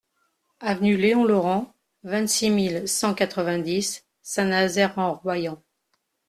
Avenue Léon Laurent, vingt-six mille cent quatre-vingt-dix Saint-Nazaire-en-Royans